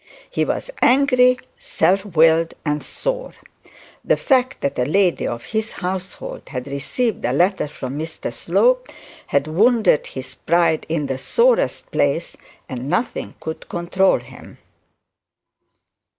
He was angry, self willed, and sore. The fact that a lady in his household had received a letter from Mr Slope had wounded his pride in the sorest place, and nothing could control him.